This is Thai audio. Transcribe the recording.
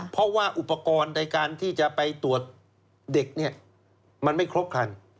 เพราะว่าอุปกรณ์ในการที่จะไปตรวจเด็กเนี่ยมันไม่ครบคัน